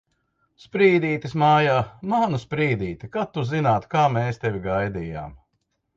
Sprīdītis mājā! Manu Sprīdīti! Kad tu zinātu, kā mēs tevi gaidījām!